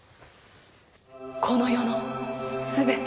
この世の全て！